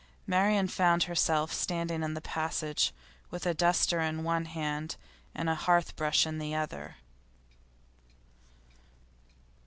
Marian found her standing in the passage, with a duster in one hand and a hearth brush in the other.